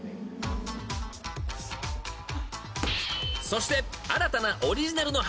［そして新たな］